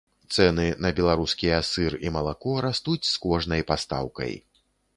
Цэны на беларускія сыр і малако растуць з кожнай пастаўкай.